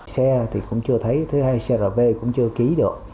xe thì cũng chưa thấy thứ hai xe rạp bê cũng chưa ký được